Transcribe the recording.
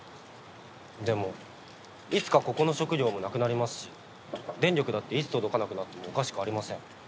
でもいつかここの食料もなくなりますし電力だっていつ届かなくなってもおかしくありません。